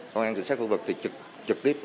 công an tỉnh sát khu vực thì trực tiếp